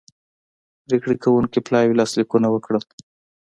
پریکړې کوونکي پلاوي لاسلیکونه وکړل